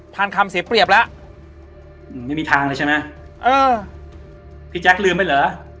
ทันคำเสียเปรียบแล้วไม่มีทางเลยใช่ไหมเออพี่แจ๊คลืมไปเหรอ